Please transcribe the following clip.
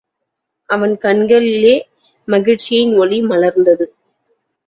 அவன் கண்களிலே மகிழ்ச்சியின் ஒளி மலர்ந்தது.